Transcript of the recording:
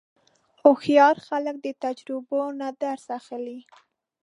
هوښیار خلک د تجربو نه درس اخلي.